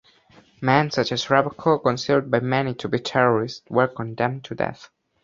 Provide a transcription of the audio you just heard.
Men such as Ravachol, considered by many to be terrorists, were condemned to death.